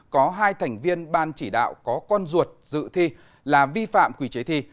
có hai thành viên ban chỉ đạo có con ruột dự thi là vi phạm quy chế thi